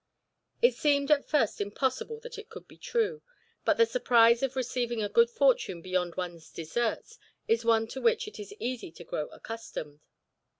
It seemed at first impossible that it could be true, but the surprise of receiving a good fortune beyond one's deserts is one to which it is easy to grow accustomed.